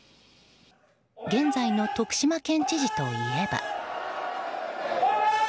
現在の徳島県知事といえば。